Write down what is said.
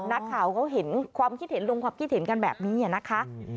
นักข่าวเขาเห็นความคิดเห็นลงความคิดเห็นกันแบบนี้นะคะ